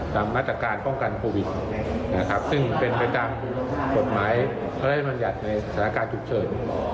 ไปทำกฎหมายเมื่อได้สมัยัดในศาลการณ์จุดเชิญ